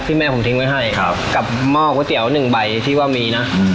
แม่ผมทิ้งไว้ให้กับหม้อก๋วยเตี๋ยวหนึ่งใบที่ว่ามีนะ